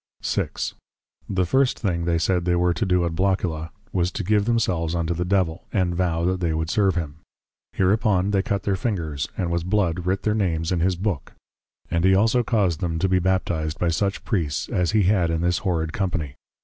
VI. The \First Thing\, they said, they were to do at Blockula, was to give themselves unto the Devil, and \Vow\ that they would serve him. Hereupon, they \cut their Fingers\, and with \Blood\ writ their \Names\ in his \Book\. And he also caused them to be \Baptised\ by such \Priests\, as he had, in this Horrid company.